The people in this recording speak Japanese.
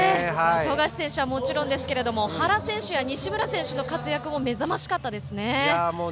富樫選手はもちろんですけれども原選手や西村選手の活躍も目覚ましかったですね。